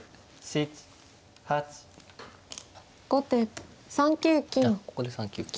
後手３九金。